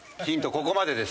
ここまで？